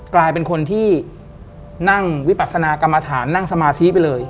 กลายเป็นคนที่นั่งวิปัสนากรรมฐานนั่งสมาธิไปเลย